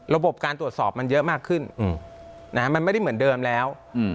ระบบการตรวจสอบมันเยอะมากขึ้นมันไม่ได้เหมือนเดิมแล้ว